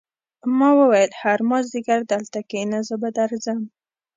ما وویل هر مازدیګر دلته کېنه زه به درځم